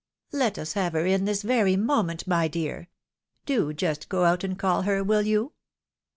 " Let us have her in this very nioment, my dear ! Do just go out and call her, will you